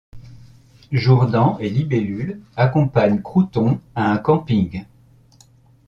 Jourdan et Libellule accompagnent Crouton à un camping.